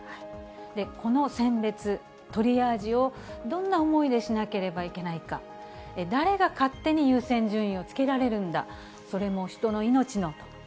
この選別、トリアージをどんな思いでしなければいけないか、誰が勝手に優先順位をつけられるんだ、それも人の命のと。